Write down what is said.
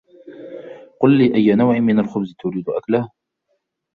قل لي أي نوع من الخبز تريد أكله.